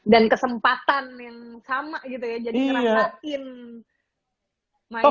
dan kesempatan yang sama gitu ya jadi ngerasakin